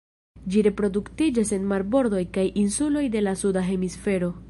Ĝi reproduktiĝas en marbordoj kaj insuloj de la suda hemisfero.